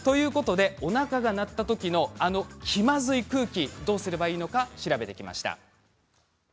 おなかが鳴った時の気まずい空気どうすればいいのか調べてきました。